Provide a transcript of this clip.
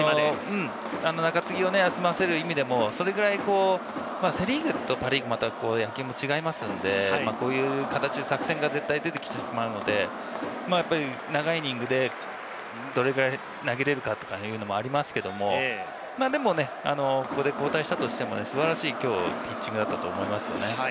中継ぎを休ませる意味でもそれくらいセ・リーグとパ・リーグは野球も違いますんで、こういう作戦が出てきてしまうので、長いイニングでどれくらい投げれるかというのもありますけど、でもここで交代したとしても素晴らしいピッチングだったと思います。